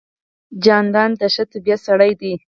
جانداد د ښه طبیعت سړی دی.